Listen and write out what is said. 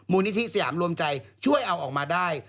นิธิสยามรวมใจช่วยเอาออกมาได้